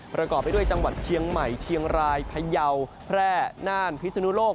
ประกอบไปด้วยจังหวัดเชียงใหม่เชียงรายพยาวแพร่น่านพิศนุโลก